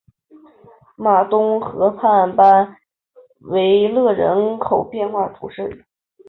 马东河畔班维勒人口变化图示